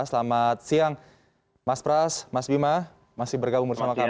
selamat siang mas pras mas bima masih bergabung bersama kami